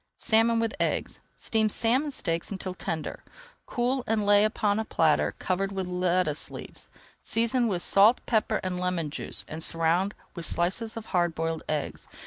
SALMON WITH EGGS Steam salmon steaks until tender, cool, and lay upon a platter covered with lettuce leaves. Season with salt, pepper, and lemon juice and surround with slices of hard boiled eggs.